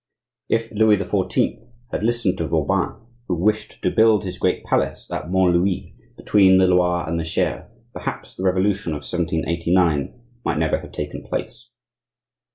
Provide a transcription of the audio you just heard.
If Louis XIV. had listened to Vauban, who wished to build his great palace at Mont Louis, between the Loire and the Cher, perhaps the revolution of 1789 might never have taken place.